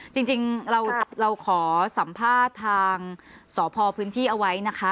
จริงเราขอสัมภาษณ์ทางสพพื้นที่เอาไว้นะคะ